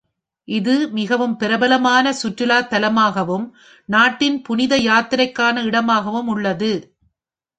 இது மிகவும் பிரபலமான சுற்றுலா தலமாகவும், நாட்டில் புனித யாத்திரைக்கான இடமாகவும் உள்ளது.